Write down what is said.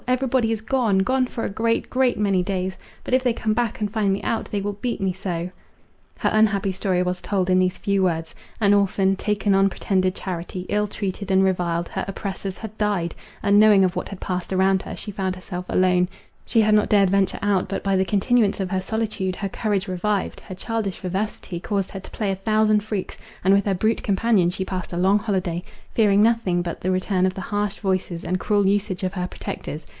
Every body is gone, gone for a great, great many days; but if they come back and find me out, they will beat me so!" Her unhappy story was told in these few words: an orphan, taken on pretended charity, ill treated and reviled, her oppressors had died: unknowing of what had passed around her, she found herself alone; she had not dared venture out, but by the continuance of her solitude her courage revived, her childish vivacity caused her to play a thousand freaks, and with her brute companion she passed a long holiday, fearing nothing but the return of the harsh voices and cruel usage of her protectors.